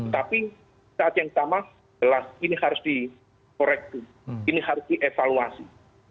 tapi saat yang sama jelas ini harus dikorektif ini harus dievaluasi